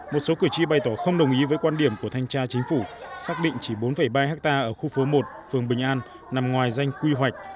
một số cử tri bày tỏ không đồng ý với quan điểm của thanh tra chính phủ xác định chỉ bốn ba ha ở khu phố một phường bình an nằm ngoài danh quy hoạch